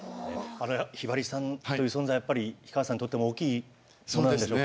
ひばりさんという存在は氷川さんにとっても大きい存在なんでしょうか？